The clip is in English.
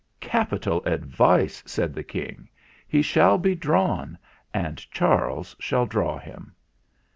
"Capital advice," said the King. "He shall be drawn, and Charles shall draw him."